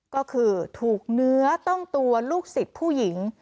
ก็คือถูกเนื้อต้องตัวลูกศิษย์ผู้หญิง